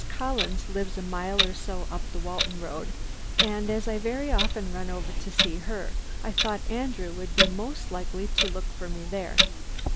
Collins lives a mile or so up the Walton road, and as I very often run over to see her I thought Andrew would be most likely to look for me there.